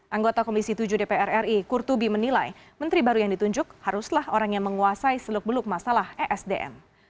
anggota komisi tujuh dpr ri kurtubi menilai menteri baru yang ditunjuk haruslah orang yang menguasai seluk beluk masalah esdm